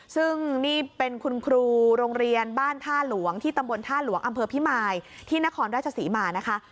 ซึ่งนี่เป็นคุณครูโรงเรียนบ้านท่าหลวงที่ตำบลท่าหลวงอำเภอพิมายที่นครราชศรีมานะคะ